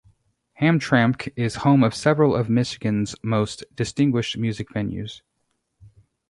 Hamtramck is home of several of Michigan's most distinguished music venues.